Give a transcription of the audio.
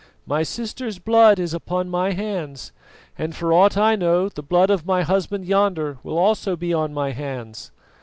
My sister's blood is upon my hands, and for aught I know the blood of my husband yonder will also be on my hands.